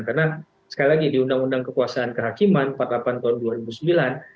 karena sekali lagi di undang undang kekuasaan kehakiman empat puluh delapan tahun dua ribu sembilan